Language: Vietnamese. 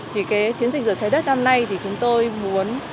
thì cái chiến dịch rửa trái đất năm nay thì chúng tôi muốn